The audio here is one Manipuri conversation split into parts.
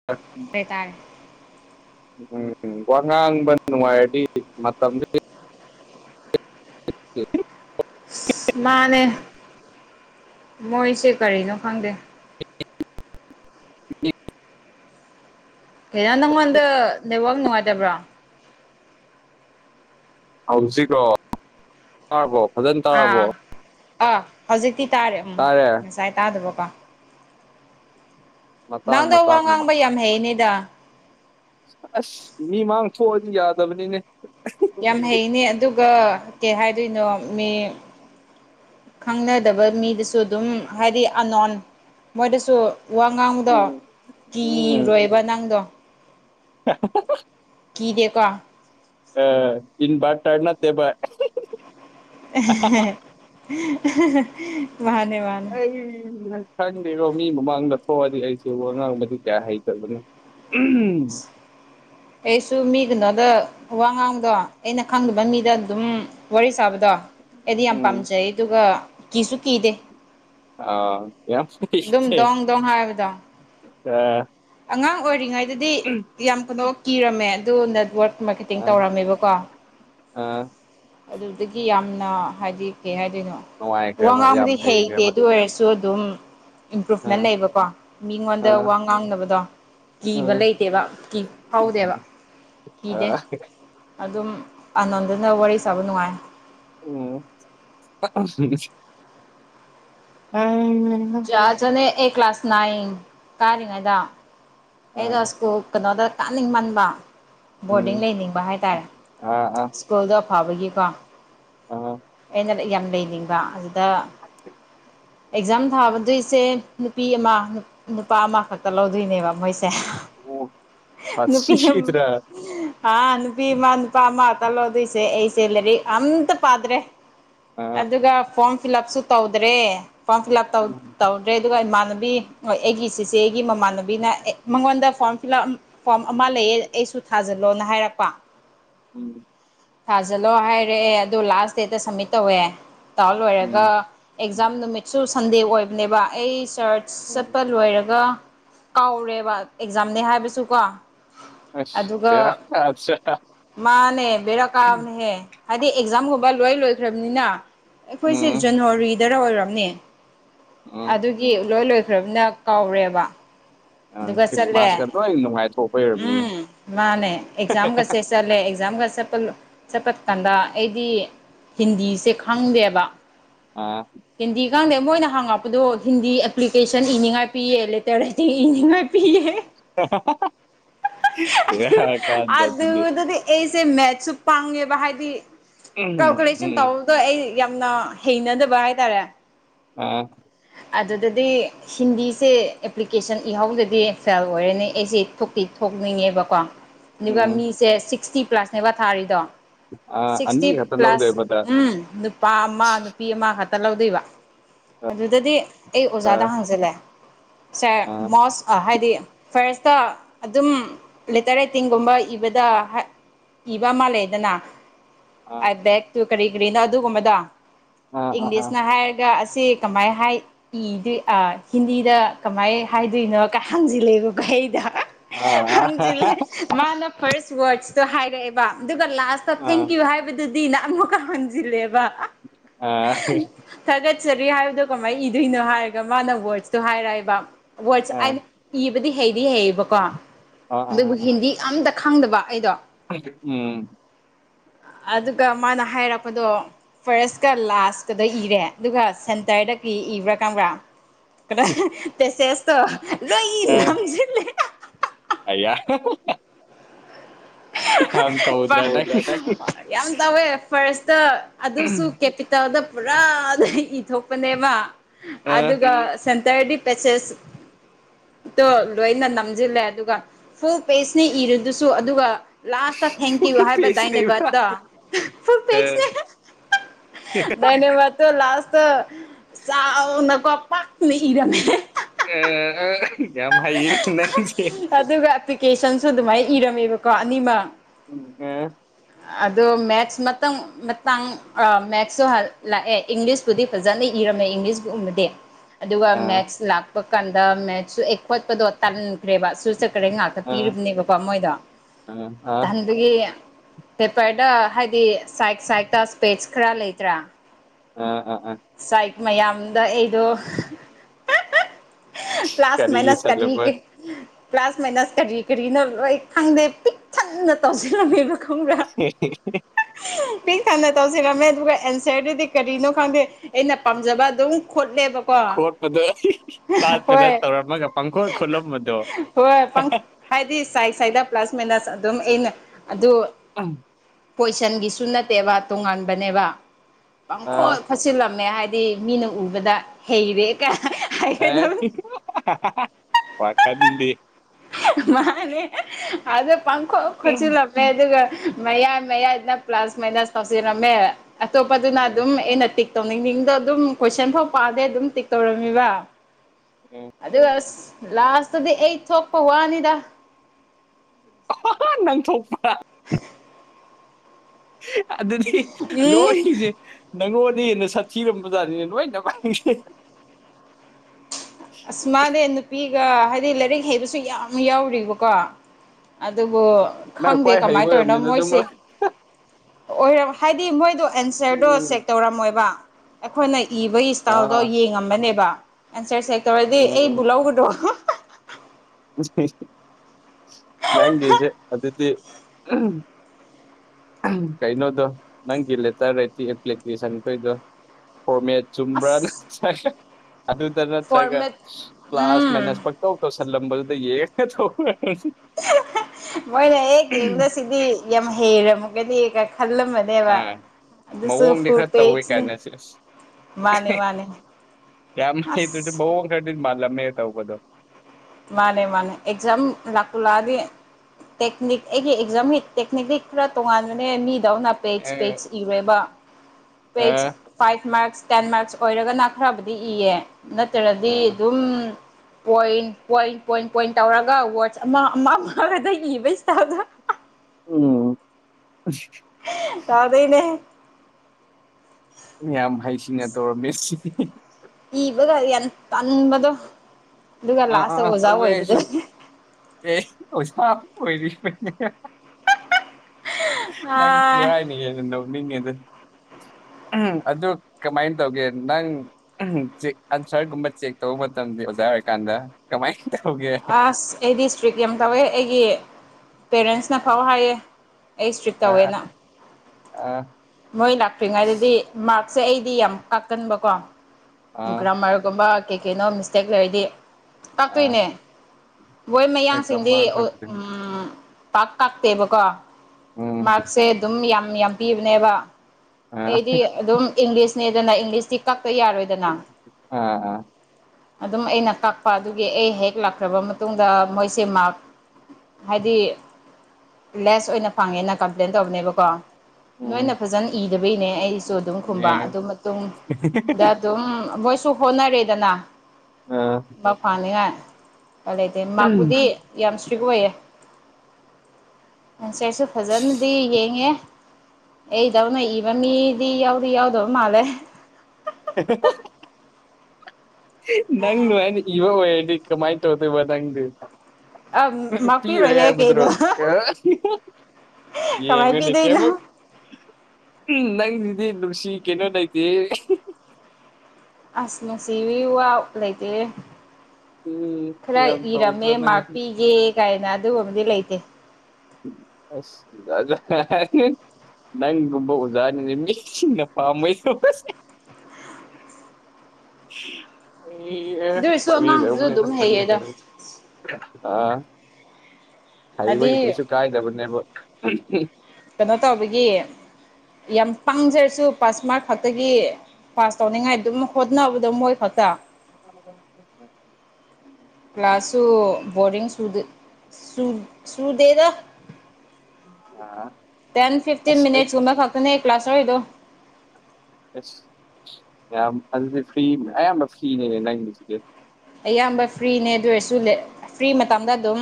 ꯑ ꯑꯦ ꯇꯥꯔꯦ ꯎꯝ ꯋꯥ ꯉꯥꯡꯕ ꯅꯨꯡꯉꯥꯏꯔꯗꯤ ꯃꯇꯝꯁꯤ ꯎ ꯑ ꯃꯥꯅꯦ ꯃꯣꯏꯁꯦ ꯀꯔꯤꯅꯣ ꯈꯪꯗꯦ [inaudible] ꯀꯩꯅꯣ ꯅꯪꯉꯣꯟꯗ ꯅꯦꯠꯋꯥꯛ ꯅꯨꯡꯉꯥꯏꯇꯕ꯭ꯔꯣ ꯍꯧꯖꯤꯀꯣ ꯇꯥꯔꯕꯣ ꯐꯖꯅ ꯇꯥꯔꯕꯣ ꯑꯥ ꯑꯥ ꯍꯧꯖꯤꯛꯇꯤ ꯇꯥꯔꯦ ꯎꯝ ꯉꯁꯥꯏ ꯇꯥꯗꯕꯀꯣ ꯃꯇꯥꯡ ꯅꯥꯡꯗ ꯋꯥ ꯃꯇꯥꯡꯗꯨꯃ ꯉꯥꯡꯕ ꯌꯥꯝ ꯍꯩꯅꯦꯗ ꯑꯁ ꯃꯤ ꯃꯥꯡ ꯊꯣꯛꯑꯗꯤ ꯌꯥꯗꯕꯅꯤꯅꯦ ꯌꯥꯝ ꯍꯩꯅꯦ ꯑꯗꯨꯒ ꯀꯩ ꯍꯥꯏꯗꯣꯏꯅꯣ ꯃꯤ ꯈꯪꯅꯗꯕ ꯃꯤꯗꯁꯨ ꯑꯗꯨꯝ ꯍꯥꯏꯗꯤ ꯑꯅꯣꯟ ꯃꯣꯏꯗꯁꯨ ꯋꯥꯉꯥꯡꯗꯣ ꯀꯤꯔꯣꯏꯕ ꯅꯪꯗꯣ ꯍ ꯀ ꯗꯀꯣ ꯑ ꯏꯟ ꯔ ꯇꯥꯔꯅ ꯇꯦꯕ [unintelligible] ꯃꯥꯅꯦ ꯑ ꯈꯪꯕꯤꯔꯣ ꯃꯤ ꯃꯃꯥꯡꯗ ꯊꯣꯛꯑꯗꯤ ꯑꯩꯁꯨ ꯑꯉꯥꯡꯕꯗꯤ ꯀꯌꯥ ꯍꯩꯇꯕꯅꯣ ꯑꯩꯁꯨ ꯃꯤ ꯀꯩꯅꯣꯗ ꯋꯥ ꯉꯥꯡꯕꯗꯣ ꯑꯩꯅ ꯈꯪꯗꯕ ꯃꯤꯗ ꯑꯗꯨꯝ ꯋꯥꯔꯤ ꯁꯥꯕꯗꯣ ꯑꯩꯗꯤ ꯌꯥꯝ ꯎꯝ ꯄꯥꯝꯖꯩ ꯑꯗꯨꯒ ꯀꯤꯁꯨ ꯀꯤꯗꯦ ꯑꯥ ꯌꯥꯝꯦ ꯑꯗꯨꯝ ꯗꯣꯡ ꯗꯣꯡ ꯍꯥꯏꯕꯗꯣ ꯑ ꯑꯉꯥꯡ ꯑꯣꯏꯔꯤꯉꯩꯗꯗꯤ ꯌꯥꯝ ꯀꯩꯅꯣ ꯀꯤꯔꯝꯃꯦ ꯑꯗꯨ ꯅꯦꯠꯋꯔꯛ ꯃꯥꯔꯀꯦꯇꯤꯡ ꯑ ꯇꯧꯔꯝꯃꯦꯕꯀꯣ ꯑ ꯑꯗꯨꯗꯒꯤ ꯌꯥꯝꯅ ꯍꯥꯏꯕꯗꯤ ꯀꯩ ꯍꯥꯏꯗꯣꯏꯅꯣ ꯋꯥ ꯅꯨꯡꯉꯥꯏꯈ꯭ꯔꯦꯕ ꯌꯥꯝ ꯉꯥꯡꯕꯗꯤ ꯍꯩꯇꯦ ꯍꯩꯈ꯭ꯔꯦꯕ ꯑꯗꯨ ꯑꯣꯏꯔꯁꯨ ꯆꯣ ꯑꯗꯨꯝ ꯑ ꯏꯝꯄ꯭ꯔꯨꯚꯃꯦꯟ ꯂꯩꯕꯀꯣ ꯑ ꯃꯤꯉꯣꯟꯗ ꯋꯥ ꯉꯥꯡꯅꯕꯗꯣ ꯑ ꯀꯤꯕ ꯂꯩꯇꯦꯕ ꯐꯥꯎꯗꯦꯕ ꯑ ꯀꯤꯗꯦ ꯑꯗꯨꯝ ꯑꯥꯅꯣꯟꯗꯨꯅ ꯋꯥꯔꯤ ꯁꯥꯕ ꯅꯨꯡꯉꯥꯏ ꯎꯝ ꯎꯝ ꯆꯥꯖꯅꯦ ꯑꯦ ꯀ꯭ꯂꯥꯁ ꯅꯥꯏꯟ ꯀꯥꯔꯤꯉꯩꯗ ꯑꯩꯗꯣ ꯁ꯭ꯀꯨꯜ ꯀꯩꯅꯣꯗ ꯀꯥꯅꯤꯡꯃꯟꯕ ꯕꯣꯔꯗꯤꯡ ꯎꯝ ꯂꯩꯅꯤꯡꯕ ꯍꯥꯏꯇꯥꯔꯦ ꯑ ꯑ ꯁ꯭ꯀꯨꯜꯗ ꯐꯥꯕꯒꯤꯀꯣ ꯑꯣ ꯑꯩꯅ ꯌꯥꯝ ꯂꯩꯅꯤꯡꯕ ꯑꯗꯨꯗ ꯑ ꯑꯦꯛꯖꯥꯝ ꯊꯥꯕꯗꯣꯏꯁꯦ ꯅꯨꯄꯤ ꯑꯃ ꯅꯨꯄꯥ ꯑꯃꯈꯛꯇ ꯂꯧꯗꯣꯏꯅꯦꯕ ꯃꯣꯏꯁꯦ ꯅꯨꯄꯤ ꯌꯥꯝ ꯁꯥꯊꯤꯗ꯭ꯔꯥ ꯑ ꯅꯨꯄꯤꯤ ꯏꯃ ꯅꯨꯄꯥ ꯑꯃ ꯇꯂꯣꯗꯁꯦꯁꯦꯂꯔꯤ ꯑ ꯇ ꯄꯗ꯭ꯔꯦ ꯑ ꯑꯗꯨꯒ ꯐꯣꯔꯝ ꯐꯤꯜ ꯑꯞꯁꯨ ꯇꯧꯗ꯭ꯔꯦ ꯐꯣꯔꯝ ꯐꯤꯜꯞ ꯇꯧ ꯎꯝ ꯇꯧ ꯦ ꯑꯗꯨꯒ ꯏꯃꯥꯟꯅꯕꯤ ꯑꯩꯒꯤ ꯆꯆꯦ ꯑꯩꯒꯤ ꯃꯃꯥꯟꯅꯕꯤꯅ ꯃꯉꯣꯟꯗ ꯐꯣꯔꯝ ꯐꯤꯜ ꯑꯞ ꯐꯣꯝ ꯑꯃ ꯂꯩꯌꯦ ꯑꯩꯁꯨ ꯊꯥꯖꯤꯜꯂꯣꯅ ꯍꯥꯏꯔꯛꯄ ꯎꯝ ꯊꯥꯖꯜꯂꯣ ꯍꯥꯏꯔꯦ ꯑꯗꯨ ꯂꯥꯁ ꯗꯦꯗꯠꯇ ꯁꯕꯃꯤꯠ ꯇꯧꯋꯦ ꯇꯥ ꯂꯣꯏꯔꯒ ꯎꯝ ꯑꯦꯛꯖꯥꯝ ꯅꯨꯃꯤꯠꯁꯨ ꯁꯟꯗꯦ ꯑꯣꯏꯕꯅꯦꯕ ꯑꯩ ꯆꯔꯆ ꯎꯝ ꯆꯠꯄ ꯂꯣꯏꯔꯒ ꯀꯥꯎꯔꯦꯕ ꯑꯦꯛꯖꯥꯝꯅꯦ ꯍꯥꯏꯕꯁꯨ ꯀꯣ ꯑꯁ ꯑꯗꯨꯒ ꯕꯦꯔꯥ ꯀꯗ꯭ꯔꯥ ꯃꯥꯅꯦ ꯕꯦꯔꯀꯥꯥꯎꯅꯦꯍ ꯍꯥꯏꯗꯤ ꯑꯦꯛꯖꯥꯝꯒꯨꯝꯕ ꯂꯣꯏ ꯂꯣꯏꯈ꯭ꯔꯕꯅꯤꯅ ꯑꯩꯈꯣꯏꯁꯦ ꯎꯝ ꯖꯅꯋꯥꯔꯤꯗꯔ ꯑꯣꯏꯔꯕꯅꯦ ꯎꯝ ꯑꯗꯨꯒꯤ ꯂꯣꯏ ꯂꯣꯏꯈ꯭ꯔꯕꯅ ꯀꯥꯎꯔꯦꯕ ꯑ ꯑꯗꯨꯒ ꯆꯠꯂꯦ ꯈ꯭ꯔꯤꯁꯃꯥꯁꯀ ꯂꯣꯏ ꯅꯨꯡꯉꯥꯏꯊꯣꯛꯄ ꯎꯝ ꯑꯣꯏꯔꯕꯅꯤꯅ ꯃꯥꯅꯦ ꯑꯦꯛꯖꯥꯝꯒꯁꯦ ꯆꯠꯂꯦ ꯑꯦꯛꯖꯥꯝꯒ ꯆꯠꯄ ꯆꯠꯄꯠ ꯀꯥꯟꯗ ꯑꯩꯗꯤ ꯍꯤꯟꯗꯤꯁꯦ ꯈꯪꯗꯦꯕ ꯑꯥ ꯍꯦꯟꯗꯤ ꯈꯪꯗꯦ ꯃꯣꯏꯅ ꯍꯥꯡꯉꯛꯄꯗꯣ ꯍꯤꯟꯗꯤ ꯑꯦꯄ꯭ꯂꯤꯀꯦꯁꯟ ꯏꯅꯤꯡꯉꯥꯏ ꯄꯤꯌꯦ ꯂꯦꯇꯔ ꯍꯥꯏꯗꯤ ꯏ ꯐꯤ ꯦ ꯀꯗ꯭ꯔꯦ ꯑꯗꯨ ꯑꯗꯨꯗꯤ ꯑꯗꯨꯗꯗꯤ ꯑꯩꯁꯦ ꯃꯦꯠꯁꯨ ꯄꯥꯡꯉꯦꯕ ꯍꯥꯏꯗꯤ ꯎꯝ ꯀꯥꯜꯀꯨꯂꯦꯁꯟ ꯎꯝ ꯇꯧ ꯑꯗꯣ ꯑꯩ ꯌꯥꯝꯅ ꯍꯩꯅꯗꯕ ꯍꯥꯏꯇꯥꯔꯦ ꯑ ꯑꯗꯨꯗꯗꯤ ꯍꯤꯟꯗꯤꯁꯦ ꯑꯦꯄ꯭ꯂꯤꯀꯦꯁꯟ ꯏꯍꯥꯎꯗꯗꯤ ꯐꯦꯜ ꯑꯣꯏꯔꯅꯦ ꯑꯩꯁꯦ ꯊꯣꯛꯇꯤ ꯊꯣꯛꯅꯤꯡꯉꯦꯕꯀꯣ ꯑꯗꯨꯒ ꯎꯝ ꯃꯤꯁꯦ ꯁꯤꯛꯁꯇꯤ ꯄ꯭ꯂꯁꯅꯦꯕ ꯊꯥꯔꯤꯗꯣ ꯑ ꯑꯅꯤ ꯁꯤꯛꯁꯇꯤ ꯈꯛꯇ ꯄ꯭ꯂꯁ ꯂꯧꯗꯣꯏꯕꯗ ꯎꯝ ꯅꯨꯄꯥ ꯑꯃ ꯅꯨꯄꯤ ꯑꯃ ꯈꯛꯇ ꯂꯧꯗꯣꯏꯕ ꯑꯗꯨꯗꯗꯤ ꯑꯩ ꯑꯣꯖꯥꯗ ꯍꯪꯖꯜꯂꯦ ꯁꯥꯔ ꯑ ꯃꯣꯁ ꯍꯥꯏꯗꯤ ꯐꯥꯔꯁꯇ ꯑꯗꯨꯝ ꯂꯦꯇꯔ ꯔꯥꯏꯇꯤꯡꯒꯨꯝꯕ ꯏꯕꯗ ꯏꯕ ꯃꯥꯜꯂꯦꯗꯅ ꯑ ꯕꯦꯛꯇꯨ ꯀꯔꯤ ꯀꯔꯤꯅꯣ ꯑꯗꯨꯒꯨꯝꯕꯗ ꯑ ꯑ ꯏꯪꯂꯤꯁꯅ ꯍꯥꯏꯔꯒ ꯑꯁꯤ ꯀꯃꯥꯏ ꯍꯥꯏ ꯏꯗꯣꯏ ꯑꯥ ꯍꯤꯟꯗꯤꯗ ꯀꯃꯥꯏ ꯍꯥꯏꯗꯣꯏꯅꯣ ꯀ ꯍꯪꯁꯤꯜꯂꯦꯕꯀꯣ ꯑꯩꯗ ꯑ ꯑ ꯍꯪꯖꯤꯜꯂꯦ ꯃꯥꯅ ꯐꯥꯔꯁ ꯋꯥꯔꯗꯁꯇꯣ ꯍꯥꯏꯔꯛꯑꯦꯕ ꯑꯗꯨꯒ ꯂꯥꯁ ꯑ ꯊꯦꯡꯀ꯭ꯌꯨ ꯍꯥꯏꯕꯗꯨꯗꯤ ꯅꯪ ꯑꯃꯨꯛꯀ ꯍꯟꯁꯤꯜꯂꯦꯕ ꯑ ꯊꯥꯒꯠꯆꯔꯤ ꯍꯥꯏꯕꯗꯣ ꯀꯃꯥꯏꯅ ꯏꯗꯣꯏꯅꯣ ꯍꯥꯏꯔꯒ ꯃꯥꯅ ꯋꯔꯗꯁꯇꯣ ꯍꯥꯏꯔꯛꯑꯦꯕ ꯋꯥꯔꯗꯁ ꯑ ꯏꯕꯗꯤ ꯍꯩꯗꯤ ꯍꯩꯕꯀꯣ ꯑ ꯑꯗꯨꯕꯨ ꯑ ꯍꯤꯟꯗꯤ ꯑꯝꯇ ꯈꯪꯗꯕ ꯑꯩꯗꯣ ꯎꯝ ꯑꯗꯨꯒ ꯃꯥꯅ ꯍꯥꯏꯔꯛꯄꯗꯣ ꯐꯥꯔꯁꯀ ꯂꯥꯁꯀꯗꯣ ꯏꯔꯦ ꯑꯗꯨꯒꯦꯟ ꯇꯗꯥꯔꯗꯀꯤ ꯏꯕ꯭ꯔꯥ ꯀꯪꯕ꯭ꯔꯥ ꯀꯩꯅ ꯄꯦꯁꯦꯁꯇꯣ ꯂꯣꯏ ꯑ ꯅꯝꯁꯤꯜꯂꯦ ꯑꯌꯥ ꯌꯥꯝ ꯇꯧꯗ꯭ꯔꯥ ꯅꯪ ꯌꯥꯝ ꯇꯧꯋꯦ ꯐꯥꯔꯁꯇ ꯑꯗꯨꯁꯨ ꯀꯦꯄꯤ ꯇꯗ ꯄꯨꯔꯥꯗ ꯏꯊꯣꯛꯄꯅꯦꯕ ꯑ ꯑꯗꯨꯒ ꯁꯟꯇꯔꯗꯤ ꯄꯦꯆꯦꯁ ꯇꯣ ꯂꯣꯏꯅ ꯅꯝꯖꯤꯜꯂꯦ ꯑꯗꯨꯒ ꯐꯨꯜ ꯄꯦꯁꯅꯤ ꯏꯔꯨꯗꯨꯁꯨ ꯑꯗꯨꯒ ꯂꯥꯁꯇ ꯐꯨꯜ ꯊꯦꯡꯀ꯭ꯌꯨ ꯍꯥꯏꯕ ꯄꯦꯁꯅꯦꯕ ꯗꯥꯏꯅꯕꯥꯠꯇꯣ ꯐꯨꯜ ꯑ ꯄꯦꯥꯁꯅꯦ [unintelligible] ꯇꯣ ꯂꯥꯁꯇ ꯆꯥꯎꯅꯀꯣ ꯄꯥꯛꯅ ꯏꯔꯝꯃꯦ ꯑ ꯑꯥ ꯌꯥꯝ ꯍꯩꯅ ꯅꯪꯗ ꯑꯗꯨꯒ ꯑꯦꯄ꯭ꯂꯤꯀꯦꯁꯟꯁꯨ ꯑꯗꯨꯃꯥꯏꯅ ꯏꯔꯝꯃꯦꯕꯀꯣ ꯑꯅꯤꯃꯛ [unintelligible] ꯑꯗꯣ ꯃꯦꯠꯁ ꯃꯇꯪ ꯃꯇꯥꯡ ꯑꯥ ꯃꯦꯠꯁꯁꯨ ꯍꯜ ꯂꯥꯛꯑꯦ ꯏꯪꯂꯤꯁ ꯇꯨꯗꯤ ꯐꯖꯅ ꯏꯔꯝꯃꯦ ꯏꯪꯂꯤꯁꯕꯨ ꯎꯃꯗꯦ ꯑꯗꯨꯒ ꯑ ꯃꯦꯠꯁ ꯂꯥꯛꯄ ꯀꯥꯟꯗ ꯃꯦꯠꯁꯁꯨ ꯑꯩ ꯈꯣꯠꯄꯗꯣ ꯇꯟꯈ꯭ꯔꯦꯕ ꯆꯨꯁ ꯀꯔꯦ ꯉꯥꯛꯇ ꯑ ꯄꯤꯔꯕꯅꯦꯕꯀꯣ ꯃꯣꯏꯗꯣ ꯑ ꯗꯒꯤ ꯄꯦꯄꯔꯗ ꯍꯥꯏꯗꯤ ꯁꯥꯏꯛ ꯁꯥꯏꯛꯇ ꯁ꯭ꯄꯦꯖ ꯈꯔ ꯂꯩꯇ꯭ꯔꯥ ꯑ ꯑ ꯑ ꯁꯥꯏꯛ ꯃꯌꯥꯝꯗ ꯑꯩꯗꯣ ꯄ꯭ꯂꯥꯁ ꯀꯔꯤ ꯃꯥꯏꯅꯁ ꯀꯔꯤ ꯆꯠꯂꯨꯕ ꯀꯤ ꯄ꯭ꯂꯥꯁ ꯃꯥꯏꯅꯁ ꯀꯔꯤ ꯀꯔꯤꯅꯣ ꯂꯣꯏ ꯈꯪꯗꯦ ꯄꯤꯛ ꯊꯟꯅ ꯇꯧꯁꯤꯜꯔꯝꯃꯦꯕꯥ ꯈꯪꯕ꯭ꯔꯥ [unintelligible] ꯄꯤꯛ ꯊꯟꯅ ꯇꯧꯁꯤꯔꯝꯃꯦ ꯑꯗꯨꯒ ꯑꯦꯟꯁꯔꯗꯨꯗꯤ ꯀꯔꯤꯅꯣ ꯈꯪꯗꯦ ꯑꯩꯅ ꯄꯥꯝꯖꯕ ꯑꯗꯨꯝ ꯈꯣꯠꯂꯦꯕꯀꯣ ꯈꯣꯠꯄꯗꯣ ꯂꯥꯁ ꯍꯣꯏ ꯃꯤꯅꯠ ꯇꯧꯔꯝꯃꯒ ꯄꯪꯈꯣꯠ ꯈꯣꯠꯂꯝꯕꯗꯣ ꯍꯣꯏ ꯄꯪ ꯍꯥꯏꯗꯤ ꯁꯥꯏꯗ ꯁꯥꯏꯗ ꯄ꯭ꯂꯁ ꯃꯥꯏꯅꯁ ꯑꯗꯨꯝ ꯑꯩꯅ ꯑꯗꯨ ꯎꯝ ꯄꯣꯏꯁꯟꯒꯤꯁꯨ ꯅꯠꯇꯦꯕ ꯇꯣꯉꯥꯟꯕꯅꯦꯕ ꯑ ꯄꯥꯡꯈꯣꯏ ꯆꯤꯜꯂꯝꯃꯦ ꯍꯥꯏꯗꯤ ꯃꯤꯅ ꯎꯕꯗ ꯍꯩꯔꯦ ꯀ ꯍꯥꯏꯒꯗꯕ [unintelligible] ꯋꯥꯈꯟꯗꯤ ꯃꯥꯅꯦ ꯑꯗꯣ ꯄꯪꯈꯣ ꯈꯣꯆꯤꯂꯝ ꯃꯦ ꯗꯨꯒꯥ ꯃꯌꯥ ꯃꯌꯥꯏꯅ ꯄ꯭ꯂꯁ ꯃꯥꯏꯅꯁ ꯇꯧꯁꯤꯔꯝꯃꯦ ꯑꯇꯣꯞꯄꯗꯨꯅ ꯑꯗꯨꯝ ꯑꯩꯅ ꯇꯤꯛ ꯇꯧꯅꯤꯡꯅꯤꯡꯗꯣ ꯑꯗꯨꯝ ꯀꯣꯏꯁꯟ ꯐꯥꯎ ꯄꯥꯗꯦ ꯑꯗꯨꯝ ꯇꯤꯛ ꯇꯧꯔꯝꯃꯤꯕ [unintelligible] ꯑꯗꯨꯒ ꯑꯁ ꯂꯥꯁꯇꯗꯤ ꯑꯩ ꯊꯣꯛꯄ ꯋꯥꯅꯤꯗ ꯅꯪꯊꯣꯛꯄ [inaudible] ꯑꯗꯨꯗꯤ ꯎꯝ ꯂꯣꯏꯂꯦ ꯅꯪꯉꯣꯟꯗꯤ ꯍꯦꯟꯅ ꯁꯥꯠꯊꯤꯔꯝꯕ ꯖꯥꯠꯅꯤꯅꯦ ꯅꯣꯏ ꯅꯕꯥꯡꯒꯦ ꯑꯁ ꯃꯅꯦ ꯅꯨꯄꯤꯒ ꯍꯥꯏꯗꯤ ꯂꯥꯏꯔꯤꯛ ꯍꯩꯕꯁꯨ ꯌꯥꯝ ꯌꯥꯎꯔꯤꯕꯀꯣ ꯑꯗꯨꯕꯨ ꯅꯪ ꯈꯪꯗꯦ ꯈ꯭ꯋꯥꯏ ꯀꯃꯥꯏ ꯍꯩꯕ ꯇꯧꯔꯤꯅꯣ ꯑꯣꯏꯔꯝꯅꯤꯗ ꯑꯗꯨ ꯃꯣꯏꯁꯦ ꯃꯔꯛ ꯑꯣꯏꯔ ꯍꯥꯏꯗꯤ ꯃꯣꯏꯗꯣ ꯑꯟꯁꯔꯗꯣ ꯎꯝ ꯆꯦꯛ ꯇꯧꯔꯝꯃꯣꯏꯕ ꯑꯩꯈꯣꯏꯅ ꯏꯕꯒꯤ ꯏꯁꯇꯥꯏꯜꯗꯣ ꯑꯥ ꯌꯦꯡꯉꯝꯃꯅꯦꯕ ꯑꯟꯁꯔ ꯆꯦꯛ ꯇꯧꯔꯗꯤ ꯎꯝ ꯑꯩꯕꯨ ꯂꯧꯒꯗ꯭ꯔꯣ ꯅꯥꯪꯒꯤꯁꯦ ꯑꯗꯨꯗꯤ ꯀꯩꯅꯣꯗꯣ ꯅꯪꯒꯤ ꯂꯦꯇꯔ ꯔꯩꯠꯀꯤ ꯑꯦꯄ꯭ꯂꯤꯀꯦꯁꯟ ꯈꯣꯏꯗꯣ ꯐꯣꯔꯃꯦꯠ ꯆꯨꯝꯕ꯭ꯔꯥ ꯑꯁ ꯅꯠꯇ꯭ꯔꯒ ꯑꯗꯨꯗ ꯅꯠꯇ꯭ꯔꯒ ꯐꯣꯔꯃꯦꯠ ꯀ꯭ꯂꯥꯁ ꯎꯝ ꯃꯦꯅꯦꯖ ꯇꯧ ꯇꯧꯁꯜꯂꯝꯕꯗꯨꯗ ꯌꯦꯡ ꯇꯧꯕꯥ ꯑꯣꯏꯔꯝꯃꯅꯤ ꯃꯣꯏꯅ ꯑꯦꯛ ꯌꯦꯡꯗ ꯁꯤꯗꯤ ꯌꯥꯝ ꯍꯩꯔꯝꯒꯅꯤꯒ ꯈꯜꯂꯝꯃ ꯅꯦꯕ ꯑꯥ ꯑꯗꯨꯁꯨ ꯃꯑꯣꯡꯗꯤ ꯐꯨꯜ ꯈꯔ ꯇꯧꯋꯦ ꯄꯦꯁꯅꯤ ꯀꯥꯏꯅ ꯁꯦꯁ ꯃꯥꯅꯦ ꯃꯥꯅꯦ ꯌꯥꯝ ꯍꯦꯇ꯭ꯔꯥꯇꯨ ꯑꯁ ꯃꯥꯑꯣꯡꯗꯗꯤ ꯃꯥꯜꯂꯝꯃꯦ ꯇꯧꯕꯗꯣ ꯃꯥꯅꯦ ꯃꯥꯅꯦ ꯑꯦꯛꯖꯥꯝ ꯂꯥꯛꯄꯨ ꯂꯥꯛꯑꯗꯤ ꯇꯦꯛꯅꯤꯛ ꯑꯩꯒꯤ ꯑꯦꯛꯖꯥꯝꯒꯤ ꯇꯦꯛꯅꯤꯛꯇꯤꯛ ꯈꯔ ꯇꯣꯉꯥꯟꯕꯅꯦ ꯃꯤꯗꯧꯅ ꯄꯦꯠꯁ ꯑꯦ ꯄꯦꯠꯁ ꯔꯦꯕꯥ ꯄꯦꯠꯁ ꯑꯥ ꯐꯥꯏꯚ ꯃꯥꯔꯛꯁ ꯇꯦꯟ ꯃꯥꯔꯛꯁ ꯑꯣꯏꯔꯒꯅ ꯈ꯭ꯔꯕꯨꯗꯤ ꯏꯌꯦ ꯅꯠꯇ꯭ꯔꯗꯤ ꯑꯥ ꯑꯗꯨꯝ ꯄꯣꯏꯟ ꯄꯣꯏꯟ ꯄꯣꯏꯟ ꯄꯣꯏꯟ ꯇꯧꯔꯒ ꯋꯥꯔꯗꯁ ꯑꯃ ꯑꯃ ꯑꯃꯒꯗ ꯏꯕ ꯏꯁꯇꯥꯜꯗ ꯎꯝ ꯀꯥꯎꯇꯦ ꯅꯦ ꯌꯥꯝ ꯍꯩꯁꯤꯡꯅ ꯇꯧꯔꯝꯃꯦ ꯏꯕꯒ ꯌꯥꯝ ꯇꯟꯕꯗꯣ ꯑꯗꯨꯒ ꯑꯥ ꯑꯥ ꯂꯥꯁꯇ ꯑꯥ ꯑꯣꯖꯥ ꯇꯧꯋꯦ ꯑꯩꯁꯨ ꯑꯣꯏꯕꯗꯗꯤ ꯑꯦ ꯍꯧ ꯁꯥ ꯑꯣꯏꯣꯏ [inaudible] ꯅꯪ ꯑꯥ ꯊꯕꯥꯏꯅꯤꯧꯅꯤꯡꯉꯦ ꯑꯗꯨ [inaudible] ꯑꯗꯨ ꯀꯃꯥꯏꯅ ꯇꯧꯒꯦ ꯅꯪ ꯆꯦꯛ ꯑꯟꯁꯔꯒꯨꯝꯕ ꯆꯦꯛ ꯇꯧꯕ ꯃꯇꯝꯗ ꯑꯣꯖꯥ ꯑꯣꯏꯔꯀꯥꯟꯗ ꯀꯃꯥꯏ ꯇꯧꯒꯦ ꯑꯁ ꯑꯩꯗꯤ ꯏꯁꯇ꯭ꯔꯤꯛ ꯌꯥꯝ ꯇꯧꯋꯦ ꯑꯩꯒꯤ ꯄꯦꯔꯦꯟꯁꯅ ꯐꯥꯎ ꯍꯥꯏꯌꯦ ꯑꯩ ꯏꯁꯇ꯭ꯔꯤꯛ ꯑ ꯇꯧꯋꯦꯅ ꯑ ꯃꯣꯏ ꯂꯥꯛꯇ꯭ꯔꯤꯉꯩꯗꯗꯤ ꯃꯥꯔꯛꯁꯦ ꯑꯩꯗꯤ ꯌꯥꯝ ꯀꯥꯀꯟꯕꯀꯣ ꯑ ꯒ꯭ꯔꯥꯃꯔꯒꯨꯝꯕ ꯀꯩ ꯀꯩꯅꯣ ꯃꯤꯁꯇꯦꯛ ꯂꯩꯔꯗꯤ ꯑ ꯇꯥꯛꯇꯣꯏꯅꯦ ꯃꯣꯏ ꯑꯩ ꯃꯌꯥꯡꯁꯤꯡꯗꯤ ꯀꯃꯔ ꯄꯥꯛ ꯀꯛꯇꯦꯕꯀꯣ ꯎꯝ ꯃꯥꯔꯛꯁꯦ ꯑꯗꯨꯝ ꯌꯥꯝ ꯌꯥꯝ ꯄꯤꯕꯅꯦꯕ ꯑ ꯑꯩꯗꯤ ꯑꯗꯨꯝ ꯏꯪꯂꯤꯁꯅꯦꯗꯅ ꯏꯪꯂꯤꯁꯇꯤ ꯀꯛꯄ ꯌꯥꯔꯣꯏꯗꯅ ꯑ ꯑꯗꯨꯝ ꯑꯩꯅ ꯀꯛꯄ ꯑꯗꯨꯒꯤ ꯑꯩ ꯍꯦꯛ ꯂꯥꯛꯈ꯭ꯔꯕ ꯃꯇꯨꯡꯗ ꯃꯣꯏꯁꯦ ꯃꯥꯔꯛ ꯍꯥꯏꯗꯤ ꯂꯦꯁ ꯑꯣꯏꯅ ꯐꯪꯉꯦꯅ ꯀꯝꯄ꯭ꯂꯦꯟ ꯇꯧꯕꯅꯦꯕꯀꯣ ꯎꯝ ꯅꯣꯏꯅ ꯐꯖꯅ ꯏꯗꯕꯩꯅꯦ ꯑꯩꯁꯨ ꯑꯗꯨꯝ ꯅꯦ, ꯈꯨꯝꯕ ꯑꯗꯨ ꯃꯇꯨꯡ ꯗ ꯑꯗꯨꯝ ꯃꯣꯏꯁꯨ ꯍꯣꯠꯅꯔꯦꯗꯅ ꯑ ꯃꯥꯔꯛ ꯐꯪꯅꯤꯉꯥꯏ ꯀꯔꯤ ꯂꯩꯇꯦ ꯃꯥꯔꯛꯕꯨꯗꯤ ꯌꯥꯝ ꯏꯁꯇ꯭ꯔꯤꯛ ꯑꯣꯏꯌꯦ ꯑꯟꯁꯔꯁꯨ ꯐꯖꯅꯗꯤ ꯌꯦꯡꯉꯦ ꯑꯩ ꯗꯧꯅ ꯏꯕ ꯃꯤꯗꯤ ꯌꯥꯎꯗꯤ ꯌꯥꯎꯗꯕ ꯃꯥꯜꯂꯦ [unintelligible] ꯅꯪ ꯑꯗꯨꯃꯥꯏꯅ ꯏꯕ ꯑꯣꯏꯔꯗꯤ ꯀꯃꯥꯏ ꯇꯧꯗꯣꯏꯕ ꯅꯪꯗꯤ ꯑ ꯃꯥꯔꯛ ꯄꯤꯔꯣꯏ ꯄꯤꯔꯣꯏꯍꯦ ꯍꯥꯏꯕꯗꯨꯔꯣ ꯀꯩꯅꯣ ꯌꯦ ꯌꯦꯉ ꯀꯃꯥꯏꯅ ꯄꯤꯗꯣꯏꯅꯣ ꯅꯀꯦꯕ [inaudible] ꯅꯪꯁꯤꯗꯤ ꯅꯨꯡꯁꯤ ꯀꯩꯅꯣ ꯂꯩꯇꯦ ꯑꯁ ꯅꯨꯡꯁꯤꯕꯒꯤ ꯋꯥ ꯂꯩꯇꯦ ꯎꯝ ꯈꯔ ꯌꯥꯝ ꯏꯔꯝꯃꯦ ꯇꯧꯗ꯭ꯔꯥ ꯃꯥꯛ ꯅꯪꯁꯨ ꯄꯤꯒꯦ ꯀꯥꯏꯅ ꯑꯗꯨꯒꯨꯝꯕꯗꯤ ꯂꯩꯇꯦ [unintelligible] ꯅꯪꯒꯨꯝꯕ ꯑꯣꯖꯥꯁꯤꯅꯦ ꯃꯤꯁꯤꯡꯅ ꯄꯥꯝꯃꯣꯏꯗꯕꯁꯦ ꯑꯗꯨ ꯑꯣꯏꯔꯁꯨ ꯐꯥꯒꯤ ꯑꯉꯥꯡꯗꯨꯁꯨ ꯇꯧꯕꯅꯤꯗ ꯑꯗꯨꯝ ꯍꯩꯌꯦꯗ ꯑꯥ ꯍꯥꯏꯗꯤ ꯍꯩꯕꯒꯤ ꯀꯩꯁꯨ ꯀꯥꯏꯗꯕꯅꯦꯕ ꯀꯩꯅꯣ ꯇꯧꯕꯒꯤ ꯌꯥꯝ ꯄꯪꯖꯔꯁꯨ ꯄꯥꯁ ꯃꯥꯔꯛ ꯈꯛꯇꯒꯤ ꯄꯥꯁ ꯇꯧꯅꯤꯡꯉꯥꯏ ꯑꯗꯨꯝ ꯍꯣꯠꯅꯕꯗꯣ ꯃꯣꯏ ꯈꯛꯇ [inaudible] ꯀ꯭ꯂ꯭ꯁꯨ ꯕꯣꯔꯤꯡ ꯁꯨ ꯆꯨꯗꯦꯗꯥ ꯑꯥ ꯇꯦꯟ ꯐꯤꯐꯇꯤꯟ ꯑꯁ ꯑꯩ ꯃꯤꯅꯤꯠꯁꯀꯨꯝꯕ ꯈꯛꯇꯅꯦ ꯀ꯭ꯂꯥꯁ ꯂꯧꯔꯤꯇꯣ ꯑꯁ ꯌꯥꯝ ꯑꯗꯨꯗꯤ ꯐ꯭ꯔꯤ ꯑꯌꯥꯝꯕ ꯐ꯭ꯔꯤꯅꯦꯅꯦ ꯅꯪꯁꯤꯗꯤ ꯑꯌꯥꯝꯕ ꯐ꯭ꯔꯤꯅꯦ ꯑꯗꯨ ꯑꯣꯏꯔꯁꯨ ꯐ꯭ꯔꯤ ꯃꯇꯝꯗ ꯑꯗꯨꯝ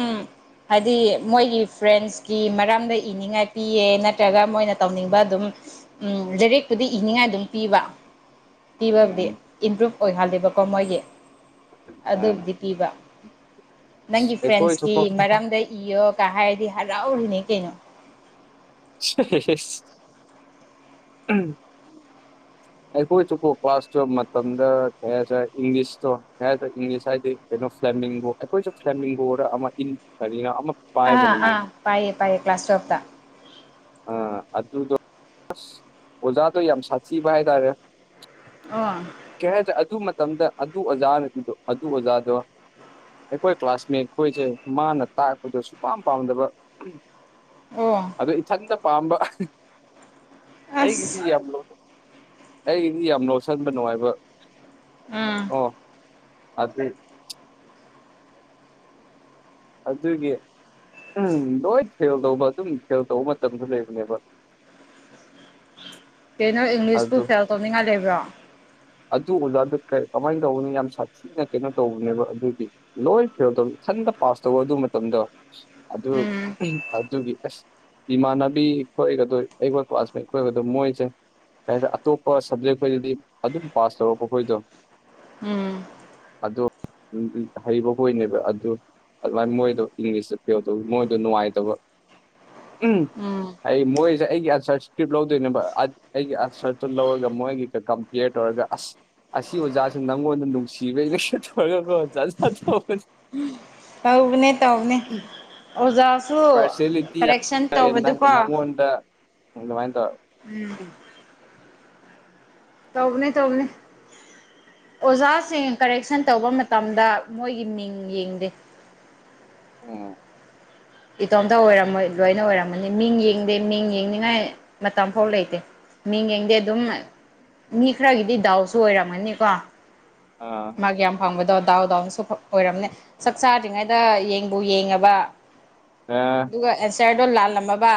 ꯍꯥꯏꯗꯤ ꯃꯣꯏꯒꯤ ꯐ꯭ꯔꯦꯟꯁꯀꯤ ꯃꯔꯝꯗ ꯏꯅꯤꯡꯉꯥꯏ ꯄꯤꯌꯦ ꯅꯠꯇ꯭ꯔꯒ ꯃꯣꯏꯅ ꯇꯧꯅꯤꯡꯕ ꯑꯗꯨꯝ ꯎꯝ ꯂꯥꯔꯤꯛꯄꯨꯗꯤ ꯏꯅꯤꯡꯉꯥꯏ ꯑꯗꯨꯝ ꯄꯤꯕ ꯄꯤꯕꯕꯨꯗꯤ ꯎꯝ ꯏꯝꯄ꯭ꯔꯨꯨꯞ ꯑꯣꯏꯍꯜꯂꯤꯕꯀꯣ ꯃꯣꯏꯒꯤ ꯑꯥ ꯑꯗꯨꯕꯨꯗꯤ ꯄꯤꯕ ꯅꯪꯒꯤ ꯐ꯭ꯔꯦꯟꯁꯀꯤ ꯑꯩꯈꯣꯏꯁꯨꯀꯣ ꯃꯔꯝꯗꯩ ꯏꯌꯣ ꯀꯥ ꯍꯥꯏꯥꯏꯗꯤ ꯍꯔꯥꯎꯔꯤꯅꯦ ꯀꯩꯅꯣ [unintelligible] [inaudible] ꯑꯩꯈꯣꯏ ꯆꯁꯨꯨꯞꯄꯨ ꯀ꯭ꯂꯥꯁ ꯇꯨꯌꯦꯞ ꯃꯇꯝꯗ ꯀꯩ ꯍꯥꯏꯗꯔꯦ ꯏꯪꯂꯤꯁꯇꯣ ꯀꯩ ꯍꯥꯏꯗꯔꯦ ꯏꯪꯂꯤꯁ ꯍꯥꯏꯗꯤ ꯀꯩꯅꯣ ꯐꯂꯦꯝꯃꯤꯡꯕ ꯑꯩꯈꯣꯏꯁꯨ ꯐꯂꯦꯝꯃꯤꯡꯕꯗ ꯑꯃ ꯏꯟ ꯀꯅꯤꯅ ꯑꯃ ꯑꯥ ꯄꯥꯏꯕꯅꯤꯅꯦ ꯑꯥ ꯄꯥꯏꯌꯦ ꯄꯥꯏꯌꯦ ꯀ꯭ꯂꯥꯁ ꯇꯋꯦꯜꯗ ꯑꯥ ꯑꯗꯨꯗꯣ ꯑꯣꯖꯥꯗꯣꯌꯥꯝ ꯁꯥꯆꯤꯕ ꯍꯥꯏ ꯇꯥꯔꯦ ꯍꯥ ꯀꯩ ꯍꯥꯏꯗ꯭ꯔꯦ ꯑꯗꯨ ꯃꯇꯝꯗ ꯑꯗꯨ ꯑꯣꯖꯥꯅꯗꯤꯗꯣ ꯑꯗꯨ ꯑꯣꯖꯥꯗꯣ ꯑꯩꯈꯣꯏ ꯀ꯭ꯂꯥꯁꯃꯦꯠ ꯈꯣꯏꯁꯦ ꯃꯥꯅ ꯇꯥꯛꯄꯗ ꯁꯨꯄꯥꯝ ꯄꯥꯝꯗꯕ ꯑꯣ ꯑꯗꯣ ꯏꯊꯟꯗ ꯄꯥꯝꯕ ꯑꯁ ꯑꯩꯒꯤꯗꯤ ꯌꯥꯝ ꯑꯩꯒꯤꯗꯤ ꯌꯥꯝ ꯂꯣꯠꯁꯤꯟꯕ ꯅꯨꯡꯉꯥꯏꯕ ꯎꯝ ꯑꯣ ꯑꯗꯨꯗ ꯑꯗꯨꯒꯤ ꯎꯝ ꯂꯣꯏ ꯐꯦꯜ ꯇꯧꯕ ꯑꯗꯨꯝ ꯐꯦꯜ ꯇꯧꯕ ꯃꯇꯝꯗ ꯂꯩꯕꯅꯦꯕ ꯀꯩꯅꯣ ꯏꯪꯂꯤꯁꯄꯨ ꯑꯗꯨ ꯐꯦꯜ ꯇꯧꯅꯤꯡꯉꯥꯏ ꯂꯩꯕ꯭ꯔꯣ ꯑꯗꯨ ꯎꯗ ꯀꯃꯥꯏꯅ ꯇꯧꯕꯅꯤ ꯌꯥꯝ ꯁꯥꯠꯊꯤ ꯁꯤꯅ ꯀꯩꯅꯣ ꯇꯧꯕꯅꯦꯕ ꯑꯗꯨꯗꯤ ꯂꯣꯏ ꯐꯦꯜ ꯇꯧꯏ ꯏꯊꯟꯗ ꯄꯥꯁ ꯇꯧꯋ ꯑꯗꯨ ꯃꯇꯝꯗ ꯑꯗꯨꯗ ꯎꯝ ꯑꯗꯨꯒꯤ ꯑꯦꯁ ꯏꯃꯥꯟꯅꯕꯤ ꯈꯈꯣꯏꯒꯗꯣ ꯑꯩꯈꯣꯏ ꯀ꯭ꯂꯥꯁꯃꯦꯠ ꯈꯈꯣꯏꯒꯗꯣ ꯃꯣꯏꯁꯦ ꯀꯩꯗ ꯑꯇꯣꯞꯄ ꯁꯕꯖꯦꯛꯈꯣꯏꯗꯗꯤ ꯑꯗꯨꯝ ꯄꯥꯁ ꯇꯧꯔꯛꯄꯈꯣꯏꯗꯣ ꯎꯝ ꯑꯗꯣ ꯍꯩꯕ ꯍꯣꯏꯅꯦꯕ ꯑꯗꯨ ꯑꯗꯨꯃꯥꯏꯅ ꯃꯣꯏꯗꯣ ꯏꯪꯂꯤꯁꯇ ꯄꯤꯗꯧ ꯃꯣꯏꯗꯣ ꯅꯨꯡꯉꯥꯏꯇꯕ ꯎꯝ ꯑꯩ ꯃꯣꯏꯁꯦ ꯑꯩꯒꯤ ꯑꯟꯁꯔ ꯏꯁꯀ꯭ꯔꯤꯞ ꯂꯧꯗꯣꯏꯅꯦꯕ ꯑꯩꯒꯤ ꯑꯟꯁꯔꯗꯨ ꯂꯧꯔꯒ ꯃꯣꯏꯒꯤ ꯀꯩ ꯀꯌꯔ ꯇꯧꯔꯒ ꯑꯁ ꯑꯁꯤ ꯑꯣꯖꯥꯁꯤꯦ ꯅꯪꯉꯣꯟꯗ ꯅꯨꯡꯁꯤꯕꯩꯩꯅ ꯇꯧꯔꯒ [unintelligible] ꯇꯧꯕꯅꯦ ꯇꯧꯕꯅꯦ ꯑꯣꯖꯥꯁꯨ ꯄꯥꯔꯁꯦꯂꯤꯇꯤ ꯀꯔꯦꯛꯁꯟ ꯇꯧꯕꯗꯨꯀꯣ ꯃꯥꯏꯅ ꯇ ꯎꯝ ꯇꯧꯕꯅꯦ ꯇꯧꯕꯅꯤ ꯑꯣꯖꯥꯁꯤꯡ ꯀꯔꯦꯛꯁꯟ ꯇꯧꯕ ꯃꯇꯝꯗ ꯃꯣꯏꯒꯤ ꯃꯤꯡ ꯌꯦꯡꯗꯦ ꯑꯣ ꯏꯇꯣꯝꯇ ꯑꯣꯏꯔꯝꯃꯣꯏ ꯂꯣꯏꯅ ꯑꯣꯏꯔꯝꯃꯅꯤ ꯃꯤꯡ ꯌꯦꯡꯗꯦ ꯃꯤꯡ ꯌꯦꯡꯅꯤꯡꯉꯥꯏ ꯃꯇꯝ ꯐꯥꯎ ꯂꯩꯇꯦ ꯃꯤꯡ ꯌꯦꯡꯗꯦ ꯑꯗꯨꯝ ꯃꯤ ꯈꯔꯒꯤꯗꯤ ꯗꯥꯎꯁꯨ ꯑꯣꯏꯔꯝꯒꯅꯤꯀꯣ ꯑꯥ ꯒꯌꯥꯝ ꯐꯪꯕꯗꯣ ꯗꯥꯎ ꯗꯥꯎꯅꯁꯨ ꯑꯣꯏꯔꯝꯅꯦ ꯆꯥꯛ ꯆꯥꯗ꯭ꯔꯤꯉꯩꯗ ꯌꯦꯡꯕꯨ ꯌꯦꯡꯉꯕ ꯑ ꯑꯗꯨꯒ ꯑꯦꯟꯁꯔꯗꯣ ꯂꯥꯜꯂꯝꯃꯕ